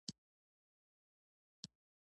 یادو هېوادونو پخوانیو تګلارو ته دوام ورکاوه.